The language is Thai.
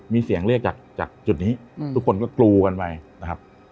มีเสียงเรียกจากจุดนี้ทุกคนก็กรูกันไปนะครับ